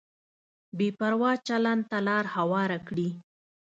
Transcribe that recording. بې پروا چلند ته لار هواره کړي.